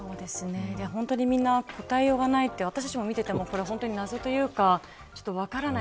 本当にみんな答えようがないって私たちが見ていても謎というか分からない。